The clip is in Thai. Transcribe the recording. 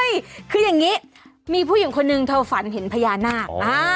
ใช่คืออย่างนี้มีผู้หญิงคนนึงเธอฝันเห็นพญานาค